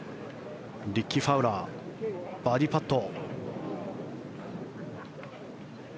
リッキー・ファウラーバーディーパット。